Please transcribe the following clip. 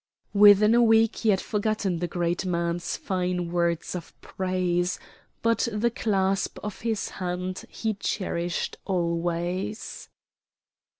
Within a week he had forgotten the great man's fine words of praise, but the clasp of his hand he cherished always.